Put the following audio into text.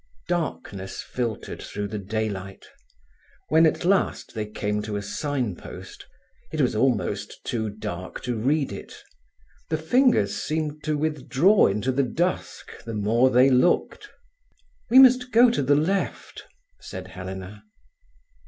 Darkness filtered through the daylight. When at last they came to a signpost, it was almost too dark to read it. The fingers seemed to withdraw into the dusk the more they looked. "We must go to the left," said Helena.